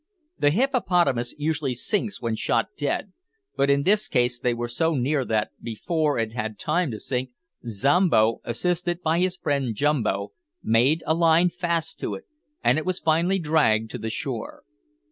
The hippopotamus usually sinks when shot dead, but in this case they were so near that, before it had time to sink, Zombo, assisted by his friend Jumbo, made a line fast to it, and it was finally dragged to the shore.